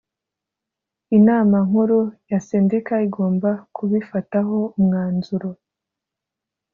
inama nkuru ya sendika igomba kubifataho umwanzuro